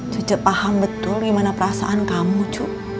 cuce paham betul gimana perasaan kamu cu